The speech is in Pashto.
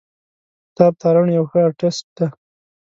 آفتاب تارڼ یو ښه آرټسټ دی.